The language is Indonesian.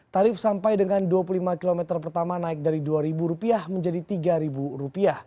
tarif sampai dengan rp dua puluh lima km pertama naik dari rp dua menjadi rp tiga